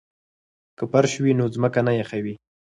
که فرش وي نو ځمکه نه یخوي.